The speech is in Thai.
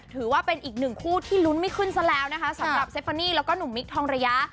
ถือว่าเป็นอีกหนึ่งคู่ที่ลุ้นไม่ขึ้นซะแล้วนะคะสำหรับเซฟานี่แล้วก็หนุ่มมิคทองระยะ